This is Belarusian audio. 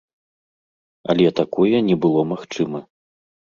Але такое не было магчыма.